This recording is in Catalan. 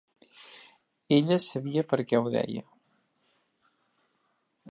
Ella sabia perquè ho deia.